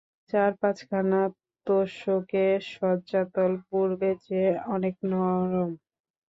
চার-পাঁচখানা তোশকে শয্যাতল পূর্বের চেয়ে অনেক নরম।